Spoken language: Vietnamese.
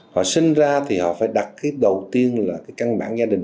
họ sinh ra thì họ phải đặt cái đầu tiên là cái căn bản gia đình